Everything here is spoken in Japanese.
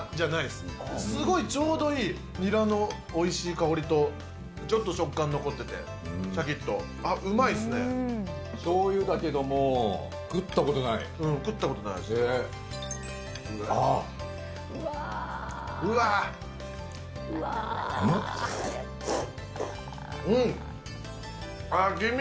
すごいちょうどいいニラのおいしい香りと、ちょっと食感残ってて、しょうゆだけども、食ったこ食ったことない味。